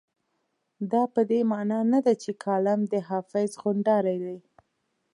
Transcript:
دا په دې مانا نه ده چې کالم د حافظ غونډارۍ ده.